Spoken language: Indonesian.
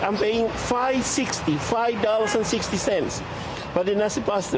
menurut gas padi